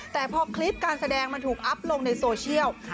แต่พอคลิปการแสดงมันถูกอัพลงในโซเชียล